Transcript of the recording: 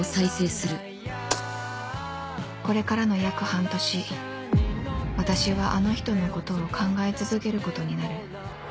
これからの約半年私はあの人のことを考え続けることになる